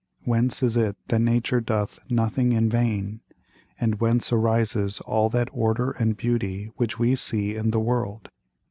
Whence is it that Nature doth nothing in vain; and whence arises all that Order and Beauty which we see in the World?